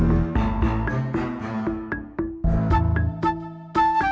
sudah tahu siapa backing mereka